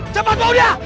cepat bawa dia